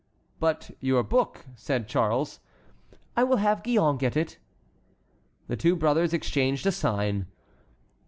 "But your book?" said Charles. "I will have Gillonne get it." The two brothers exchanged a sign.